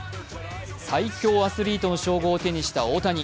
最強アスリートの称号を手にした大谷。